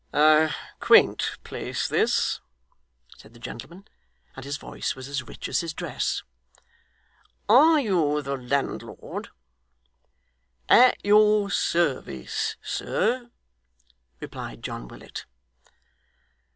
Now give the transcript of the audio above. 'A quaint place this,' said the gentleman and his voice was as rich as his dress. 'Are you the landlord?' 'At your service, sir,' replied John Willet.